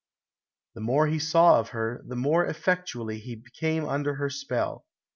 The more he saw of her, the more effectually he came under her spell.